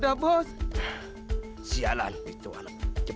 aku jalan gue kangen lo